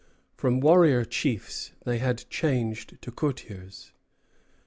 From warrior chiefs, they had changed to courtiers.